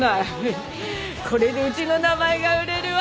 これでうちの名前が売れるわ。